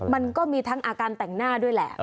มันก็มีทั้งอาการแต่งหน้าด้วยแหละ